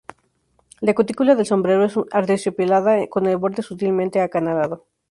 La cutícula del sombrero es aterciopelada con el borde sutilmente acanalado.